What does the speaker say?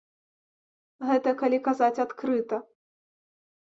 Гэта калі казаць адкрыта.